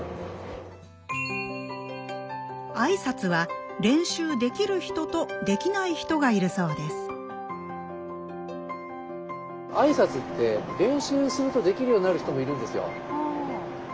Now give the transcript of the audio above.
あいさつは練習できる人とできない人がいるそうですあいさつって練習するとできるようになる人もいるんですよ。